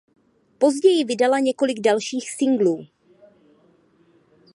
Později vydala několik dalších singlů.